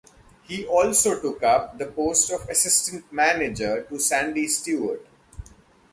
He also took up the post of assistant manager to Sandy Stewart.